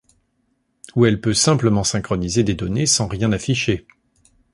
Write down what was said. Ou elle peut simplement synchroniser des données sans rien afficher.